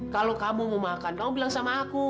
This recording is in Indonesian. kalau kamu mau makan kamu bilang sama aku